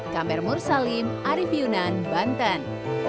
kamer mursalim arief yunan banten